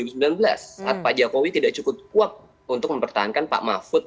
saat pak jokowi tidak cukup kuat untuk mempertahankan pak mahfud